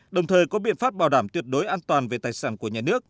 đồng thời có biện pháp bảo đảm tuyệt đối an toàn về tài sản của nhà nước